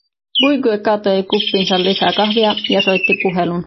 Quique kaatoi kuppiinsa lisää kahvia ja soitti puhelun.